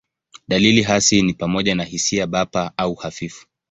Dalili hasi ni pamoja na hisia bapa au hafifu.